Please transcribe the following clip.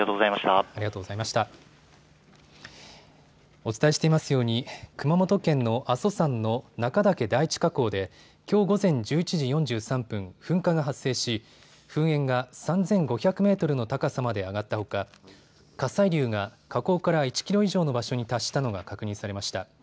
お伝えしていますように熊本県の阿蘇山の中岳第一火口できょう午前１１時４３分、噴火が発生し噴煙が３５００メートルの高さまで上がったほか火砕流が火口から１キロ以上の場所に達したのが確認されました。